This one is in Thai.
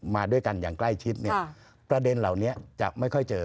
มาด้วยกันอย่างใกล้ชิดเนี่ยประเด็นเหล่านี้จะไม่ค่อยเจอ